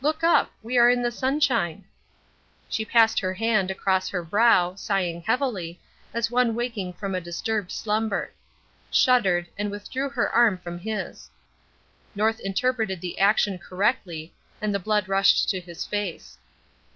"Look up; we are in the sunshine." She passed her hand across her brow, sighing heavily, as one awaking from a disturbed slumber shuddered, and withdrew her arm from his. North interpreted the action correctly, and the blood rushed to his face.